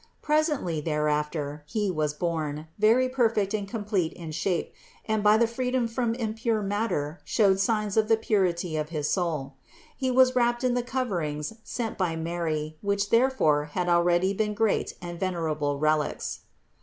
Presently thereafter he was born, very perfect and complete in shape, and by the freedom from impure matter showed signs of the purity of his soul. He was wrapped in the coverings sent by Mary, which therefore had already been great and ven erable relics.